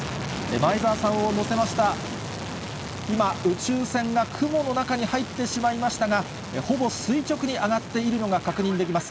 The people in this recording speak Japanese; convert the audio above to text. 前澤さんを乗せました、今、宇宙船が雲の中に入ってしまいましたが、ほぼ垂直に上がっているのが確認できます。